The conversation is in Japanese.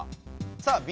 さあＢ